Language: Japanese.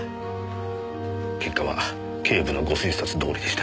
結果は警部のご推察どおりでした。